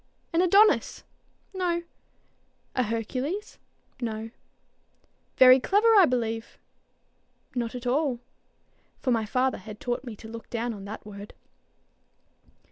"An Adonis?" "No." "A Hercules?" "No." "Very clever, I believe." "Not at all." For my father had taught me to look down on that word.